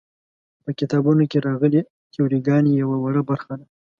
په کتابونو کې راغلې تیوري ګانې یوه وړه برخه ده.